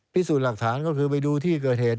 พิสูจน์หลักฐานก็คือไปดูที่เกิดเหตุ